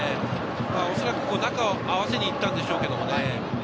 おそらく中を合わせに行ったんでしょうけどね。